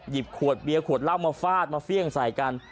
ขวดเบียร์ขวดเหล้ามาฟาดมาเฟี่ยงใส่กัน